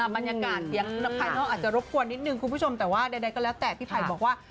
บรรยากาศเสียงภายนอกอาจจะรบกวนนิดนึงคุณผู้ชมแต่ว่าใดก็แล้วแต่พี่ไผ่บอกว่า